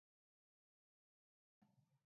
اگر ایسا ہے۔